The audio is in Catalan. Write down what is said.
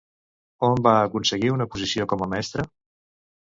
On va aconseguir una posició com a mestra?